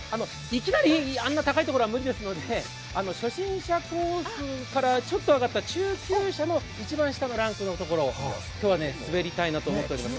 いきなりあんな高いところは無理ですので初心者コースからちょっと上がった中級者の一番下のランクのところを今日は滑りたいなと思っております。